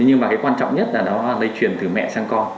nhưng mà cái quan trọng nhất là nó lây chuyển từ mẹ sang con